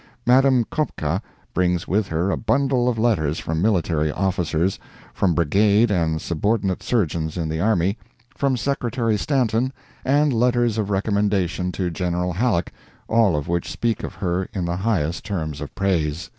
Madame Kopka brings with her a bundle of letters from military officers, from brigade and subordinate surgeons in the army, from Secretary Stanton, and letters of recommendation to General Halleck, all of which speak of her in the highest terms of praise.